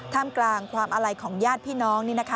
ถ้ามกลางความอะไรของญาติพี่น้อง